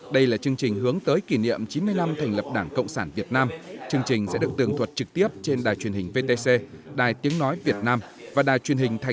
đây là chương trình hướng tới kỷ niệm chín mươi năm thành lập đảng cộng sản việt nam chương trình sẽ được tường thuật trực tiếp trên đài truyền hình vtc đài tiếng nói việt nam và đài truyền hình tp hcm